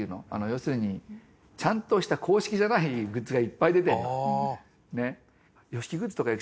要するにちゃんとした公式じゃないグッズがいっぱい出てるの。